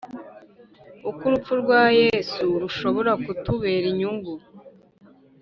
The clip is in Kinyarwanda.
Uko urupfu rwa Yesu rushobora kutubera inyungu